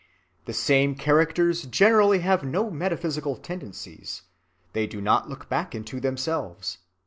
The same characters generally have no metaphysical tendencies: they do not look back into themselves.